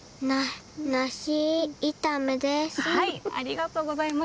ありがとうございます。